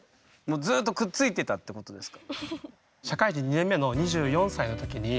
ずっとくっついてたってことですか？